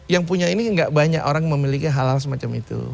yang punya ini tidak banyak orang memiliki hal hal semacam itu